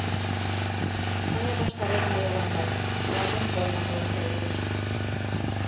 Ҡая баштары ғына яланғас, уларҙың формаһы ла сәйер.